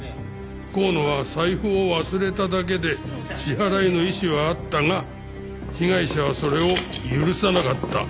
香野は財布を忘れただけで支払いの意思はあったが被害者はそれを許さなかった。